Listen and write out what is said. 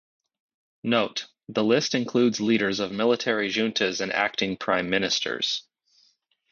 "Note:" The list includes leaders of military juntas and acting prime ministers.